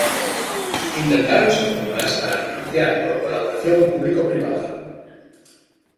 Intentáronse formulas para financiar por colaboración público-privada.